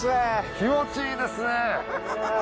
気持ちいいですね。